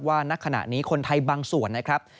ณขณะนี้คนไทยบางส่วนนะครับ